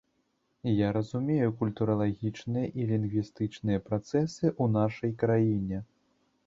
Я разумею культуралагічныя і лінгвістычныя працэсы ў нашай краіне.